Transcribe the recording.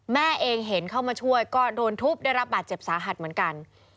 แม่เองเห็นเข้ามาช่วยก็โดนทุบได้รับบาดเจ็บสาหัสเหมือนกัน